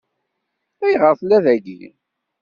Ayɣer tella dagi?